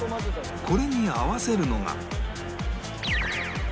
これに合わせるのが